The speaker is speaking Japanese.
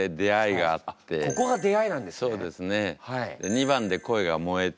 ２番で恋がもえて。